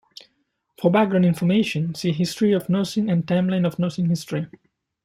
For background information see History of nursing and Timeline of nursing history.